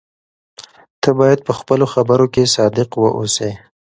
ته باید په خپلو خبرو کې صادق واوسې.